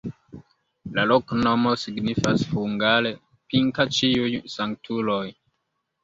La loknomo signifas hungare: Pinka-Ĉiuj Sanktuloj.